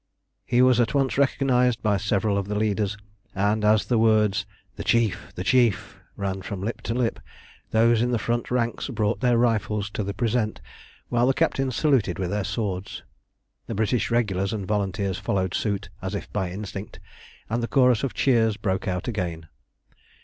He was at once recognised by several of the leaders, and as the words, "The Chief, the Chief," ran from lip to lip, those in the front ranks brought their rifles to the present, while the captains saluted with their swords. The British regulars and volunteers followed suit as if by instinct, and the chorus of cheers broke out again.